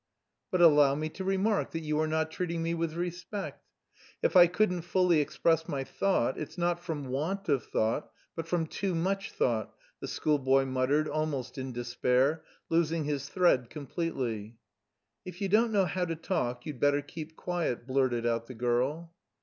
"But allow me to remark that you are not treating me with respect. If I couldn't fully express my thought, it's not from want of thought but from too much thought," the schoolboy muttered, almost in despair, losing his thread completely. "If you don't know how to talk, you'd better keep quiet," blurted out the girl.